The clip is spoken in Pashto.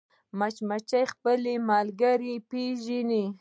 مچمچۍ خپلې ملګرې پېژني